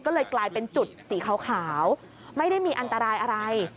ก็เลยกลายเป็นจุดสีขาวไม่ได้มีอันตรายอะไร